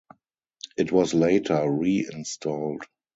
It was later reinstalled.